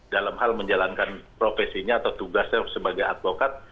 dalam hal menjalankan profesinya atau tugasnya sebagai advokat